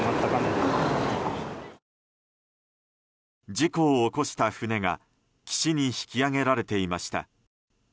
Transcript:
事故を起こした船が岸に引き揚げられていました。